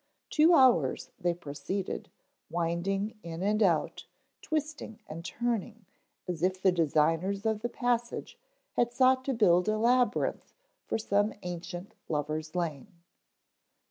Two hours they proceeded, winding in and out, twisting and turning as if the designers of the passage had sought to build a labyrinth for some ancient lover's lane.